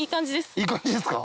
いい感じですか？